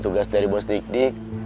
tugas dari bos dik dik